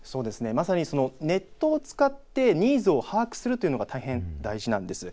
まさにネットを使ってニーズを把握するというのが大変大事なんです。